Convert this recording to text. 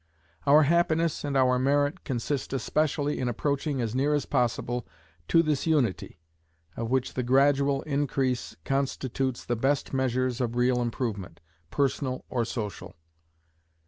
Our happiness and our merit consist especially in approaching as near as possible to this unity, of which the gradual increase constitutes the best measure of real improvement, personal or social."